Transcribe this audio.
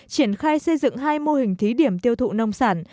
triển khai xây dựng hai mô hình thí điểm tiêu thụ nông sản